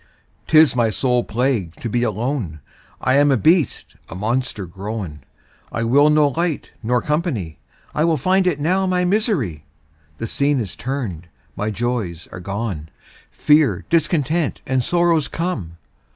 'Tis my sole plague to be alone, I am a beast, a monster grown, I will no light nor company, I find it now my misery. The scene is turn'd, my joys are gone, Fear, discontent, and sorrows come.